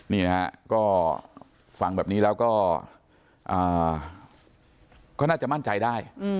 นี่นะฮะก็ฟังแบบนี้แล้วก็น่าจะมั่นใจได้